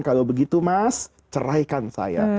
kalau begitu mas ceraikan saya